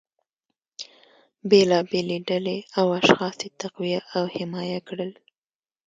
بیلابیلې ډلې او اشخاص یې تقویه او حمایه کړل